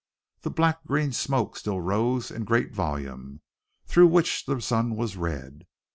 The black green smoke still rose in great volume, through which the sun was red.